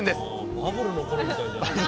バブルの頃みたいだな。